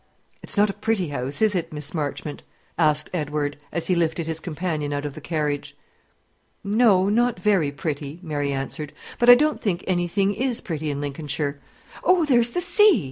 "It's not a pretty house, is it, Miss Marchmont?" asked Edward, as he lifted his companion out of the carriage. "No, not very pretty," Mary answered; "but I don't think any thing is pretty in Lincolnshire. Oh, there's the sea!"